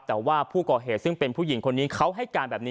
แต่ว่าผู้ก่อเหตุซึ่งเป็นผู้หญิงคนนี้เขาให้การแบบนี้